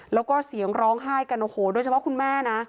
แล้วก็เสียงร้องไห้กันโอ้โหโดยเฉพาะคุณแม่นะ